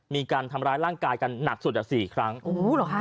มีการทำร้ายร่างกายกันหนักสุดอ่ะสี่ครั้งโอ้โหเหรอคะ